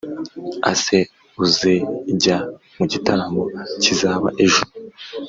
Ase uzejya mugitaramo kizaba ejo